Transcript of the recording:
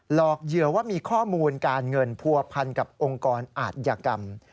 หลอกเหยื่อว่ามีข้อมูลการเงินผัวพันกับองค์กรอาธิกรรม